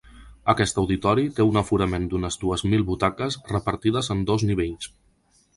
Aquest auditori té un aforament d’unes dues mil butaques repartides en dos nivells.